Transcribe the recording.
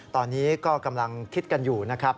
ตอนนี้ก็กำลังคิดกันอยู่นะครับ